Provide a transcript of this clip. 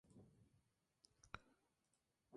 Sólo dos se conservan dentro en la iglesia.